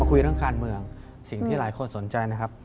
คุยเรื่องการเมืองสิ่งที่หลายคนสนใจนะครับ